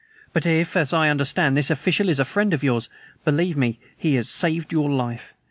But if, as I understand, this official is a friend of yours, believe me, he has saved your life!